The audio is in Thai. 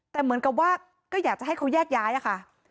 แต่เหมือนกับว่าก็อยากจะให้เขาแยกย้ายอะค่ะ